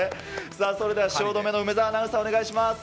それでは、汐留の梅澤アナウンサー、お願いします。